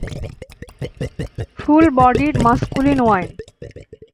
Full bodied, masculine wine.